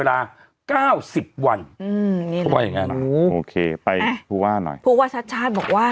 ถ้าสมมติตัดเหลือศูนย์น่ะ